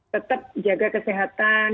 tetap jaga kesehatan